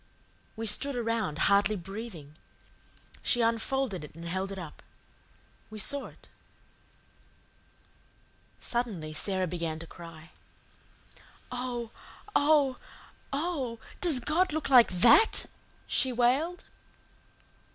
We stood around, hardly breathing. She unfolded it and held it up. We saw it. Suddenly Sara began to cry. "Oh, oh, oh, does God look like THAT?" she wailed.